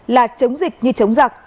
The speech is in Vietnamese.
là chống dịch như chống giặc